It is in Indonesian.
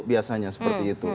biasanya seperti itu